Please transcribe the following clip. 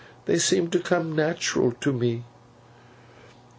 They seem to come natural to me.